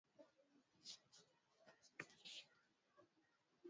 Takribani watu themanini na saba wameuawa na mamia kujeruhiwa wakati wa zaidi ya